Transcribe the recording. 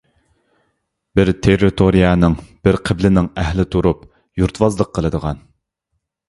بىر تېررىتورىيەنىڭ، بىر قىبلىنىڭ ئەھلى تۇرۇپ يۇرتۋازلىق قىلىدىغان.